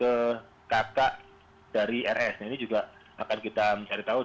ketika itu kalau tidak tidak akan ada tersangka rs nah ini juga akan kita mencari tahu dia